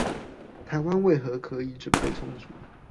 台灣為何可以準備充足